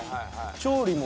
調理も。